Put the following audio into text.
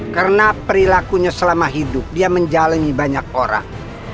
karena perilakunya selama hidup dia menjalani banyak orang